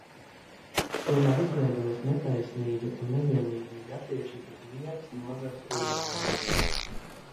Tomēr izveidojas netaisnīga un nevienlīdzīga attieksme pret vienas nozares uzņēmējiem.